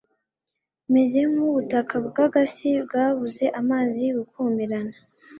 meze nk’ubutaka bw’agasi bwabuze amazi bukumirana